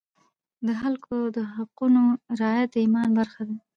د خلکو د حقونو رعایت د ایمان برخه ده.